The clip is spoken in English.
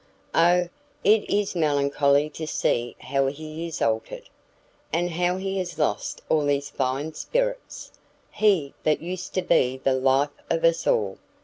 O it is melancholy to see how he is altered! and how he has lost all his fine spirits! he that used to be the life of us all!